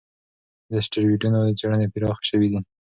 د اسټروېډونو څېړنې پراخې شوې دي.